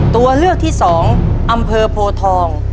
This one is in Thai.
ตัวเลือกที่๒อำเภอโพทอง